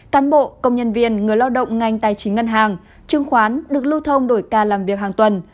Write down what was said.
cán bộ công nhân viên người lao động ngành tài chính ngân hàng trương khoán được lưu thông đổi ca làm việc hàng tuần